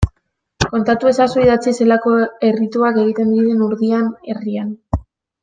Kontatu ezazu idatziz zelako errituak egiten diren Urdiain herrian.